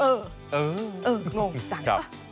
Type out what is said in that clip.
เอองงจัง